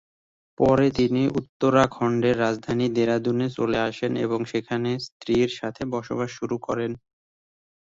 পরে তিনি উত্তরাখণ্ডের রাজধানী দেরাদুনে চলে আসেন এবং সেখানে স্ত্রীর সাথে বসবাস শুরু করেন।